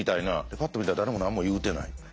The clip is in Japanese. パッと見たら誰も何も言うてない。